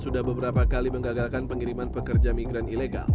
sudah beberapa kali mengagalkan pengiriman pekerja migran ilegal